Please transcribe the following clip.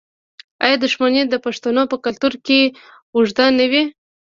آیا دښمني د پښتنو په کلتور کې اوږده نه وي؟